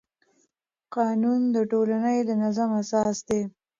قانون د ټولنې د نظم اساس دی.